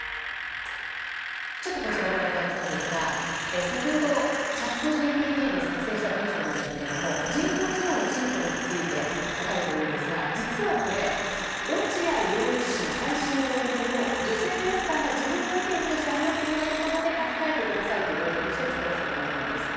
ちょっとこちらご覧いただきたいんですが先ほど、チャットＧＰＴで作成した文章なんですけども人工知能の進歩について書かれているんですが実はこれ、落合陽一氏の最新の論文を女性キャスターが自分の意見として話すような言葉で書き換えてくださいと入力して作らせたものなんです。